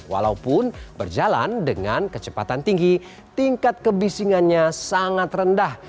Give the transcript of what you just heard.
walaupun berjalan dengan kecepatan tinggi tingkat kebisingannya sangat rendah